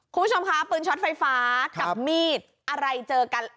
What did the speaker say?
คุณผู้ชมคะปืนช็อตไฟฟ้ากับมีดอะไรเจอกัน